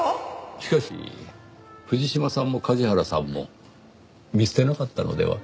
しかし藤島さんも梶原さんも見捨てなかったのでは？